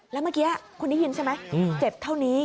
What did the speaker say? แล้วเมื่อกี้คุณได้ยินใช่ไหมเจ็บเท่านี้